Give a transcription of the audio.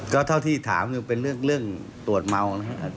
ก็เท่าที่ถามคือเป็นเรื่องตรวจเมานะครับ